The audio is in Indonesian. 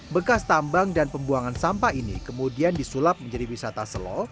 bekas tambang dan pembuangan sampah ini kemudian disulap menjadi wisata selo